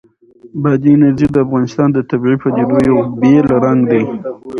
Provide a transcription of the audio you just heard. بادي انرژي د افغانستان د طبیعي پدیدو یو بېل رنګ دی.